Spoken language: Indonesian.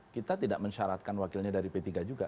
kita tidak mensyaratkan wakilnya dari p tiga juga